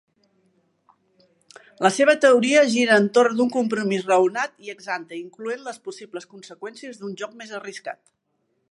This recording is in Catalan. La seva teoria gira entorn d'un compromís raonat i ex-ante, incloent les possibles conseqüències d'un joc més arriscat.